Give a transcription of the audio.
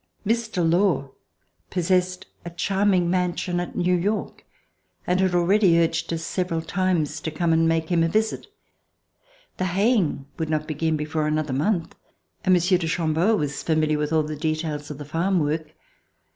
Mr. Law possessed a charming mansion at New York, and had already urged us several times to come and make him a visit. The haying would not begin before another month, and Monsieur de Cham beau was familiar with all the details of the farm work.